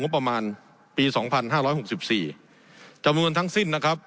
ประมาณปี๒๕๖๔จำนวนทั้งสิ้นนะครับ